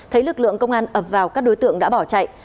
thấy lực lượng công an ập vào các đối tượng đã bỏ chạy